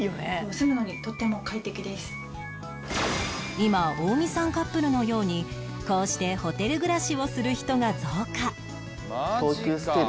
今近江さんカップルのようにこうしてホテル暮らしをする人が増加